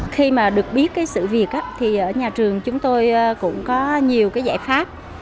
khi mà được biết sự việc thì ở nhà trường chúng tôi cũng có nhiều giải pháp